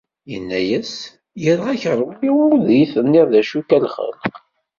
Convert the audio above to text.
Yenna-as: "Greɣ-ak Rebbi ma ur iyi-tenniḍ d acu-k a lxelq!"